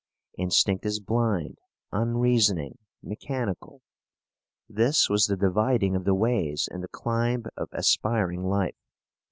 Instinct is blind, unreasoning, mechanical. This was the dividing of the ways in the climb of aspiring life.